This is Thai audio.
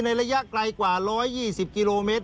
ระยะไกลกว่า๑๒๐กิโลเมตร